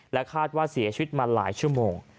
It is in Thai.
คาดว่าเสียชีวิตมาหลายชั่วโมง